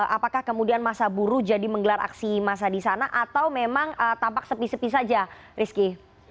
apakah kemudian masa buruh jadi menggelar aksi masa di sana atau memang tampak sepi sepi saja rizky